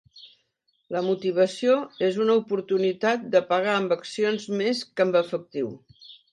La motivació és una oportunitat de pagar amb accions més que amb efectiu.